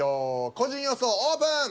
個人予想オープン！